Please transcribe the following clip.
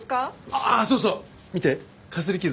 あっそうそう見てかすり傷。